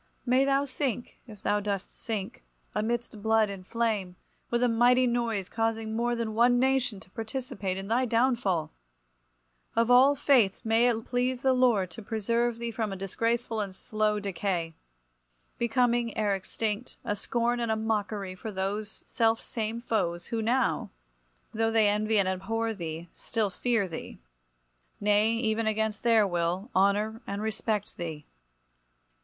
May thou sink, if thou dost sink, amidst blood and flame, with a mighty noise, causing more than one nation to participate in thy downfall! Of all fates, may it please the Lord to preserve thee from a disgraceful and a slow decay; becoming, ere extinct, a scorn and a mockery for those self same foes who now, though they envy and abhor thee, still fear thee, nay even against their will, honour and respect thee….